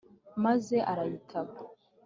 maze arayitaba